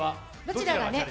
どちらがね